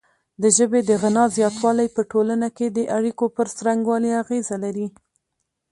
د ژبې د غنا زیاتوالی په ټولنه کې د اړیکو پر څرنګوالي اغیزه لري.